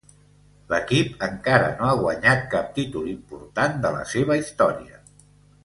L'equip encara no ha guanyat cap títol important de la seva història.